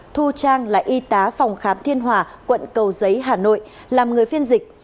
thu trang là y tá phòng khám thiên hòa quận cầu giấy hà nội làm người phiên dịch